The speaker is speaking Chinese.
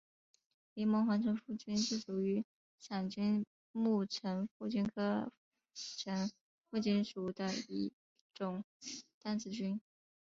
柠檬黄层腹菌是属于伞菌目层腹菌科层腹菌属的一种担子菌。